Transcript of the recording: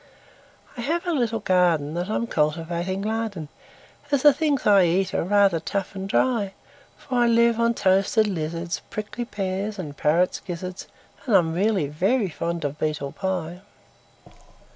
I have a little gardenThat I'm cultivating lard in, As the things I eat are rather tough and dry; For I live on toasted lizards, Prickly pears, and parrot gizzards, And I'm really very fond of beetle pie.